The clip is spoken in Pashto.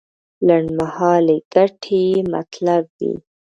لنډمهالې ګټې یې مطلب وي.